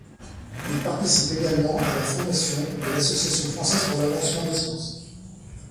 Il participe également à la fondation de l’Association française pour l'avancement des sciences.